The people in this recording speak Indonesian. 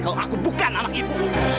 kalau aku bukan anak ibu